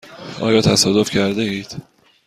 آیا تصادف کرده اید؟